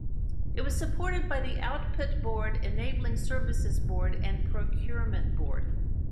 It was supported by the Output Board, Enabling Services Board and Procurement Board.